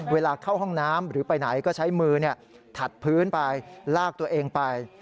เวลาเข้าห้องน้ำหรือไปไหนก็ใช้มือถัดพื้นไปลากตัวเองไป